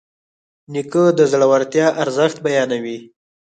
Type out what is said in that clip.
نیکه د زړورتیا ارزښت بیانوي.